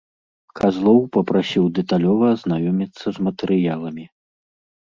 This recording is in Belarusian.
Казлоў папрасіў дэталёва азнаёміцца з матэрыяламі.